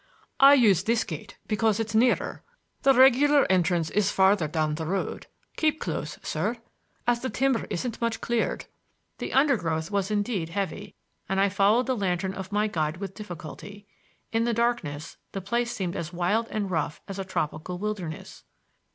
"I use this gate because it's nearer. The regular entrance is farther down the road. Keep close, sir, as the timber isn't much cleared." The undergrowth was indeed heavy, and I followed the lantern of my guide with difficulty. In the darkness the place seemed as wild and rough as a tropical wilderness.